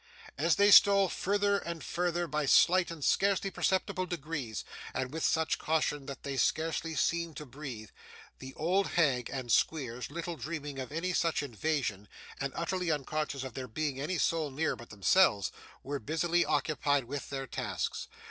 As they stole farther and farther in by slight and scarcely perceptible degrees, and with such caution that they scarcely seemed to breathe, the old hag and Squeers little dreaming of any such invasion, and utterly unconscious of there being any soul near but themselves, were busily occupied with their tasks.